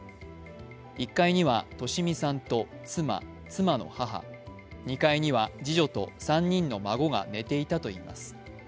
１階には利美さんと妻、妻の母２階には次女と３人の孫が寝ていたといいます。